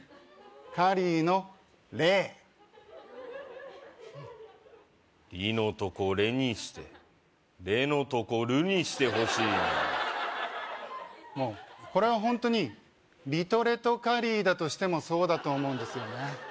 カリーのレー「リ」のとこ「レ」にして「レ」のとこ「ル」にしてほしいなこれはホントにリトレトカリーだとしてもそうだと思うんですよね